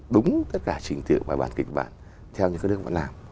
đúng tất cả trình tự và bản kịch bản theo như các nước vẫn làm